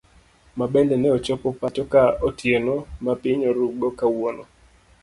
Mabende ne ochopo pacho ka otieno ma piny oruu go kawuono.